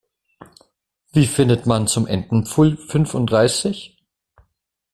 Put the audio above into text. Wie findet man zum Entenpfuhl fünfunddreißig?